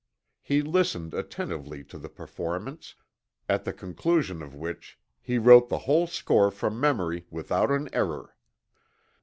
He listened attentively to the performance, at the conclusion of which he wrote the whole score from memory without an error.